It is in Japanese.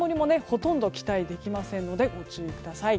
ほとんど期待できませんのでご注意ください。